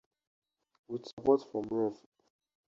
With support from Rev.